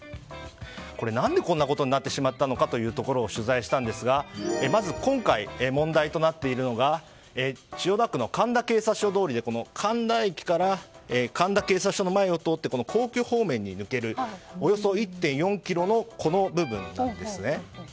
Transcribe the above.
何でこんなことになってしまったのか取材したんですがまず今回問題となっているのが千代田区の神田警察通りで神田駅から神田警察署の前を通って皇居方面に抜けるおよそ１．４ｋｍのこの部分なんですね。